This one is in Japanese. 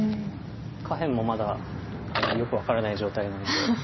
下辺もまだよく分からない状態なので。